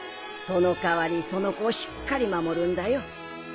その代わりその子をしっかり守るんだよ。